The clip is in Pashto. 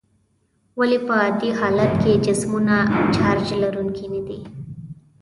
ولې په عادي حالت کې جسمونه چارج لرونکي ندي؟